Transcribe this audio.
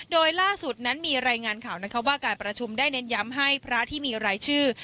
โดยล่าสุดนั้นมีรายงานข่าวนะคะว่าการประชุมได้เน้นย้ำให้พระที่มีรายชื่อ